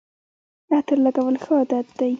عطر لګول ښه عادت دی